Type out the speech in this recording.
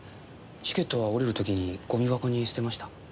チケットは降りる時にゴミ箱に捨てました。